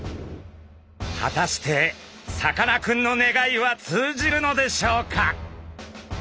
果たしてさかなクンの願いは通じるのでしょうか。